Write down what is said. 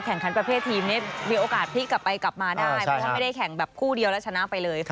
แข่งคันประเภททีมนี้มีโอกาสที่กลับไปกลับมาได้ไม่ได้แข่งแบบคู่เดียวแล้วชนะไปเลย